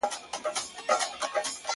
• انساني وجدان ګډوډ پاتې کيږي تل,